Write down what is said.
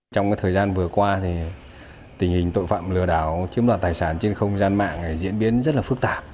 trong thời gian vừa qua tình hình tội phạm lừa đảo chiếm đoạt tài sản trên không gian mạng diễn biến rất là phức tạp